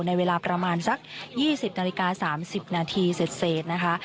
ในเวลาประมาณสัก๒๐นาฬิกา๓๐นาทีเสร็จนะคะ